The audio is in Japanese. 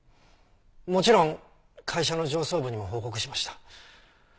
もちろん会社の上層部にも報告しました。